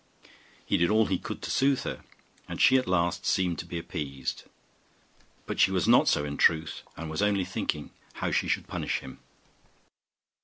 He did all he could to soothe her, and she at last seemed to be appeased; but she was not so in truth, and was only thinking how she should punish him.